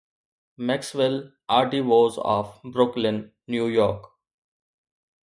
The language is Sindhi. Maxwell R D Woods of Brooklyn, New York